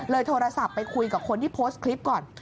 โทรศัพท์ไปคุยกับคนที่โพสต์คลิปก่อน